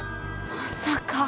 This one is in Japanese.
まさか。